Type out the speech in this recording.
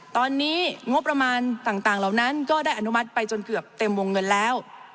ตอนนี้งบประมาณต่างเหล่านั้นก็ได้อนุมัติไปจนเกือบเต็มวงเงินแล้ว